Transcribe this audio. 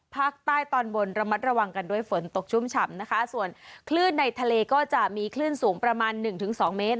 ภาคใต้ตอนบนระมัดระวังกันด้วยฝนตกชุ่มฉ่ำนะคะส่วนคลื่นในทะเลก็จะมีคลื่นสูงประมาณหนึ่งถึงสองเมตร